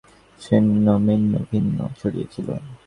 ছিন্নভিন্ন কিছু অংশ ছড়িয়ে ছিল।